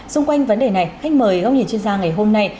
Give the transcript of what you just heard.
xung quanh vấn đề này khách mời góc nhìn chuyên gia ngày hôm nay